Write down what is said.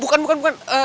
bukan bukan bukan